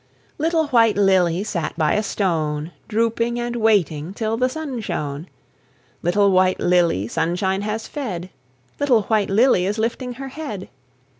Little White Lily Sat by a stone, Drooping and waiting Till the sun shone. Little White Lily Sunshine has fed; Little White Lily Is lifting her head.